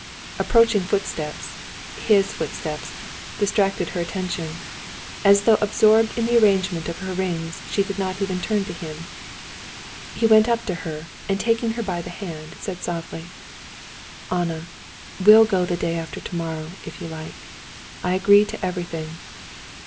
Approaching footsteps—his steps—distracted her attention. As though absorbed in the arrangement of her rings, she did not even turn to him. He went up to her, and taking her by the hand, said softly: "Anna, we'll go the day after tomorrow, if you like. I agree to everything."